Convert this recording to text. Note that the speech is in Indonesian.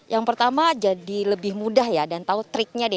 yang pertama jadi lebih mudah ya dan tahu triknya di